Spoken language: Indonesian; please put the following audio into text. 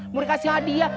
mau dikasih hadiah